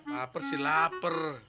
laper sih lapar